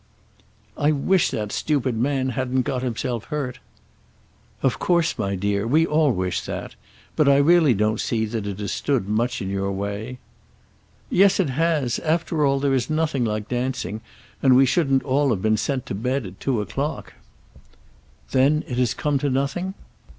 "I wish that stupid man hadn't got himself hurt." "Of course, my dear; we all wish that. But I really don't see that it has stood much in your way." "Yes it has. After all there is nothing like dancing, and we shouldn't all have been sent to bed at two o'clock." "Then it has come to nothing?"